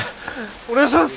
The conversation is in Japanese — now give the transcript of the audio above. お願いします！